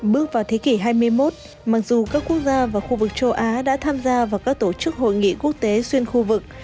bước vào thế kỷ hai mươi một mặc dù các quốc gia và khu vực châu á đã tham gia vào các tổ chức hội nghị quốc tế xuyên khu vực